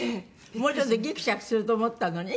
もうちょっとギクシャクすると思ったのに？